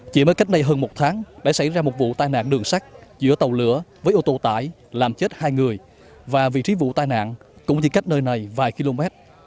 chỉ mới cách đây hơn một tháng đã xảy ra một vụ tai nạn đường sắt giữa tàu lửa với ô tô tải làm chết hai người và vị trí vụ tai nạn cũng chỉ cách nơi này vài km